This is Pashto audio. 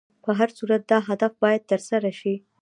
په هر صورت دا هدف باید تر سره شي.